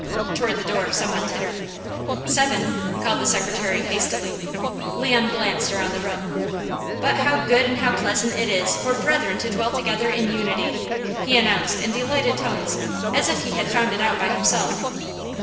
Toward the door some one tittered. "Seven," called the secretary hastily. Leon glanced around the room. "But how good and how pleasant it is for brethren to dwell together in unity," he announced in delighted tones as if he had found it out by himself.